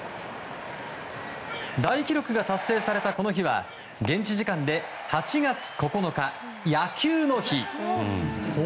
大記録が達成されたこの日は現地時間で８月９日、野球の日。